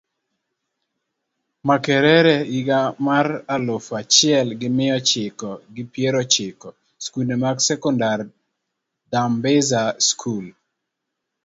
Makerere higa maraluf achiel gimiya chiko gi \piero chiko. Skunde mag sekondar, Dambiza School.